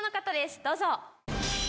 どうぞ。